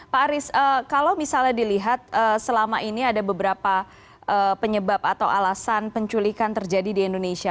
pak aris kalau misalnya dilihat selama ini ada beberapa penyebab atau alasan penculikan terjadi di indonesia